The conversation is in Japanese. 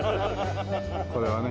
これはね。